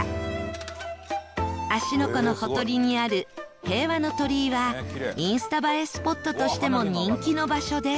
芦ノ湖のほとりにある平和の鳥居はインスタ映えスポットとしても人気の場所です